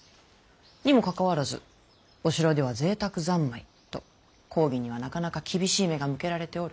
にもかかわらずお城では贅沢三昧と公儀にはなかなか厳しい目が向けられておる。